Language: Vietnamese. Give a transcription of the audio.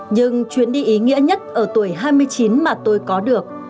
nhưng chuyến đi ý nghĩa nhất ở tuổi hai mươi chín mà tôi có được